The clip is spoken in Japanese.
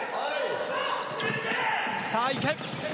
さあ、行け！